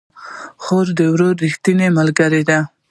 خور د ورور ريښتينې ملګرې ده